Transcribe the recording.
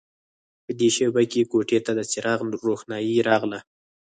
په دې شېبه کې کوټې ته د څراغ روښنايي راغله